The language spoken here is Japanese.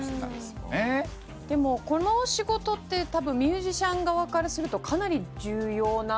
でもこの仕事ってミュージシャン側からするとかなり重要な。